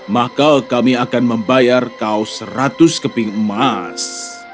maka kami akan membayar kau seratus keping emas